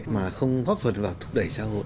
mà không góp phần vào thúc đẩy xã hội